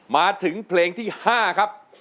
มาถึงเพลงที่๕ครับ